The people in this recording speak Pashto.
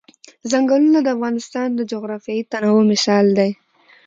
ځنګلونه د افغانستان د جغرافیوي تنوع مثال دی.